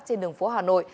trên đường phố hà nội